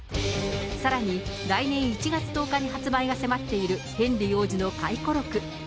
さらに、来年１月１０日に発売が迫っているヘンリー王子の回顧録。